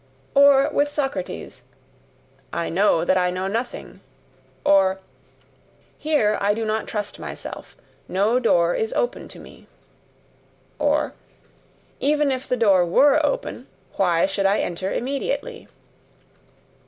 Or with Socrates: "I know that I know nothing." Or: "Here I do not trust myself, no door is open to me." Or: "Even if the door were open, why should I enter immediately?"